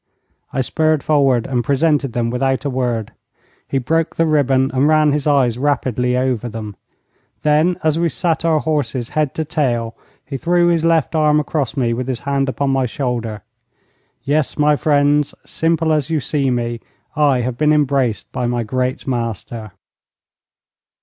I spurred forward and presented them without a word. He broke the ribbon and ran his eyes rapidly over them. Then, as we sat our horses head to tail, he threw his left arm across me with his hand upon my shoulder. Yes, my friends, simple as you see me, I have been embraced by my great master.